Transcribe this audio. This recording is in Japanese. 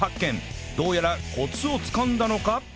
どうやらコツをつかんだのか？